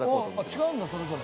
違うんだそれぞれ。